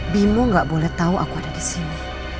bimo gak boleh tahu aku ada di sini